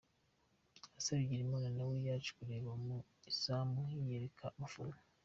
Issa Bigirimana nawe yaje kureba mu izamu yiyereka abafana.